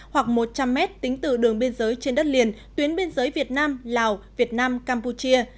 hoặc một trăm linh m tính từ đường biên giới trên đất liền tuyến biên giới việt nam lào việt nam campuchia